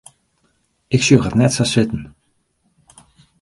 Ik sjoch it net sa sitten.